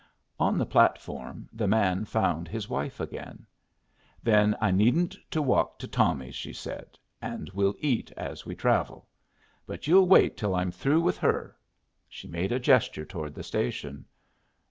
On the platform the man found his wife again. "Then I needn't to walk to Tommy's," she said. "And we'll eat as we travel. But you'll wait till I'm through with her." She made a gesture toward the station.